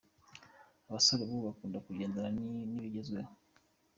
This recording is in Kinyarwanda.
Abasore bubu kakunda kugendana n’ibigezweho.